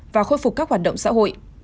và khôi phục các hoạt động xã hội